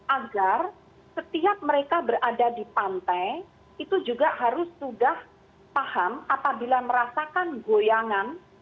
agar setiap mereka berada di pantai itu juga harus sudah paham apabila merasakan goyangan